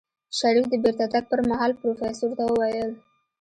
شريف د بېرته تګ پر مهال پروفيسر ته وويل.